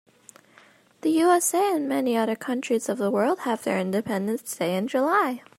The USA and many other countries of the world have their independence day in July.